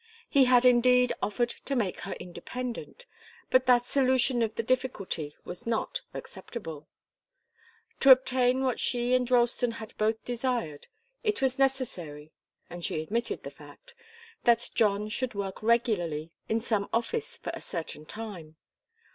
He had indeed offered to make her independent, but that solution of the difficulty was not acceptable. To obtain what she and Ralston had both desired, it was necessary, and she admitted the fact, that John should work regularly in some office for a certain time.